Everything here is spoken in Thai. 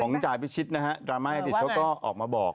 ของจ่ายพิชิตนะฮะดราม่ายอาทิตย์เขาก็ออกมาบอก